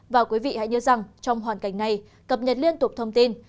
và quý vị hãy nhớ rằng trong hoàn cảnh này cập nhật liên tục thông tin